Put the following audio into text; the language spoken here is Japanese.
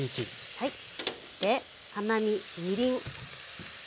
そして甘みみりん。